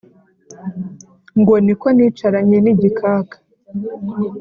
ngo: ko nicaranye n'igikaka